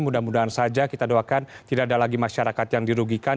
mudah mudahan saja kita doakan tidak ada lagi masyarakat yang dirugikan